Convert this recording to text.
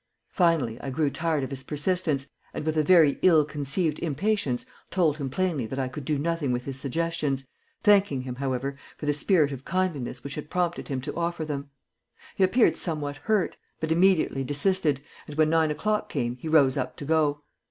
Finally I grew tired of his persistence, and, with a very ill concealed impatience, told him plainly that I could do nothing with his suggestions, thanking him, however, for the spirit of kindliness which had prompted him to offer them. He appeared somewhat hurt, but immediately desisted, and when nine o'clock came he rose up to go.